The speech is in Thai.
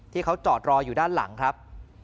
ที่เขาจอดรออยู่ด้านหลังครับ